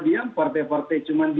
siapa itu akan terjadi